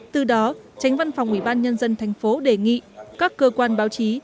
từ đó chánh văn phòng ubnd tp đề nghị các cơ quan báo chí